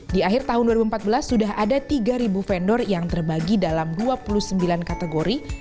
di akhir tahun dua ribu empat belas sudah ada tiga vendor yang terbagi dalam dua puluh sembilan kategori